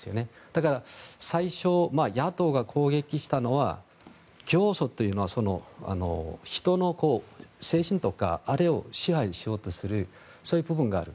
だから、最初野党が攻撃したのは教祖というのは人の精神とかあれを支配しようとするそういう部分がある。